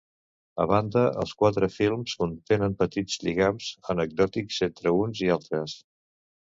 A banda, els quatre films contenen petits lligams anecdòtics entre uns i altres.